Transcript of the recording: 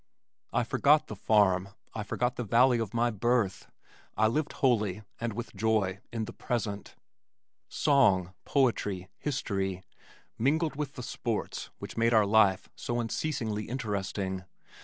I forgot the farm, I forgot the valley of my birth, I lived wholly and with joy in the present. Song, poetry, history mingled with the sports which made our life so unceasingly interesting.